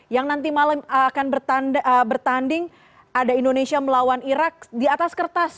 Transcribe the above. yang nanti malam akan bertanding ada indonesia melawan irak di atas kertas